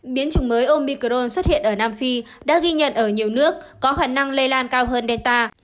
biến chủng mới omicron xuất hiện ở nam phi đã ghi nhận ở nhiều nước có khả năng lây lan cao hơn delta